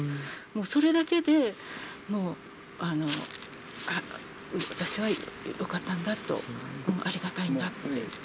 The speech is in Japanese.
もうそれだけで、もう私はよかったんだと、ありがたいんだって。